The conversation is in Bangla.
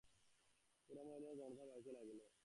পুরমহিলাদের জনতা বাড়িতে লাগিল।